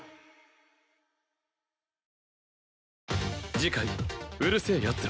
次回『うる星やつら』